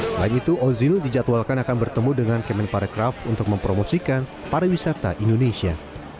selain itu ozil dijadwalkan akan bertemu dengan kemenparekraf untuk mempromosikan pariwisata indonesia